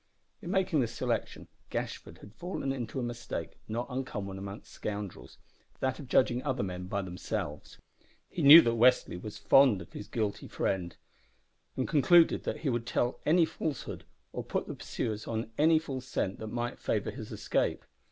In making this selection Gashford had fallen into a mistake not uncommon among scoundrels that of judging other men by themselves. He knew that Westly was fond of his guilty friend, and concluded that he would tell any falsehood or put the pursuers on any false scent that might favour his escape.